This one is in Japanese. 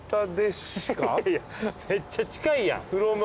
めっちゃ近いやん。